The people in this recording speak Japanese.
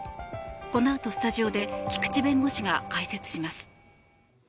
このあとスタジオで菊地弁護士が解説します。